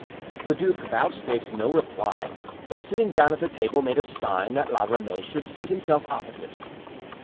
The duke vouchsafed no reply, but sitting down at the table made a sign that La Ramee should seat himself opposite.